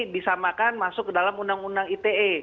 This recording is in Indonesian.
bisa makan masuk ke dalam undang undang ite